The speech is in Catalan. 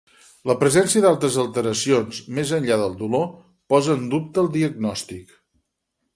La presència d'altres alteracions, més enllà del dolor, posa en dubte el diagnòstic.